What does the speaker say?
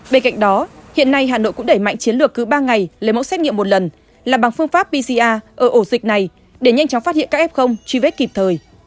bên cạnh đó hiện nay hà nội cũng đẩy mạnh chiến lược cứ ba ngày lấy mẫu xét nghiệm một lần là bằng phương pháp pcr ở ổ dịch này để nhanh chóng phát hiện các f truy vết kịp thời